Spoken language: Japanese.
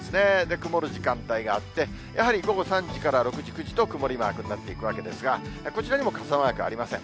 曇る時間帯があって、やはり午後３時から６時、９時と曇りマークになっていくわけですが、こちらにも傘マークありません。